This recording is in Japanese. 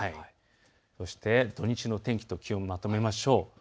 そして土日の天気と気温をまとめましょう。